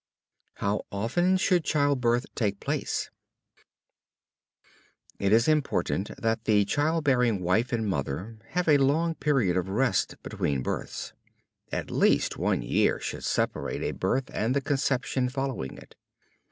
HOW OFTEN SHOULD CHILDBIRTH TAKE PLACE? It is most important that the childbearing wife and mother have a long period of rest between births. At least one year should separate a birth and the conception following it.